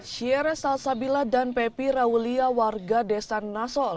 shieres alsabila dan pepi rawulia warga desan nasol